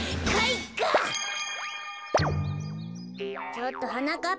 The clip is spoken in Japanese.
ちょっとはなかっ